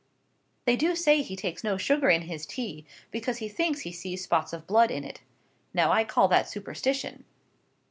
They do say he takes no sugar in his tea, because he thinks he sees spots of blood in it. Now I call that superstition."